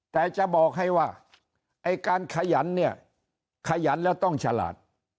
แต่จะบอกให้ว่าไอ้การขยันเนี่ยขยันแล้วต้องฉลาด